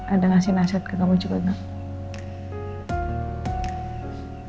ada ngasih nasihat ke kamu juga tuh